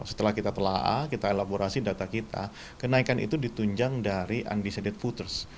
setelah kita telah kita elaborasi data kita kenaikan itu ditunjang dari undecided voters